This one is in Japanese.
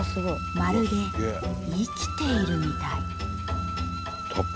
まるで生きているみたい！達筆！